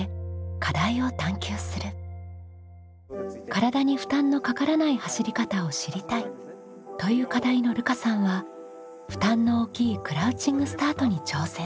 「体に負担のかからない走り方を知りたい」という課題のるかさんは負担の大きいクラウチングスタートに挑戦。